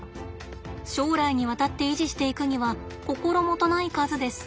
将来にわたって維持していくには心もとない数です。